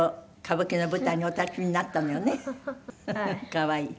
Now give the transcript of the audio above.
可愛い。